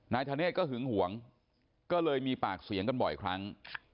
นายธเนธก็หึงหวงก็เลยมีปากเสียงกันบ่อยครั้ง